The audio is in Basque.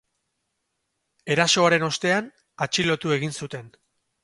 Erasoaren ostean, atxilotu egin zuten.